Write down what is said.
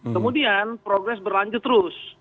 kemudian progres berlanjut terus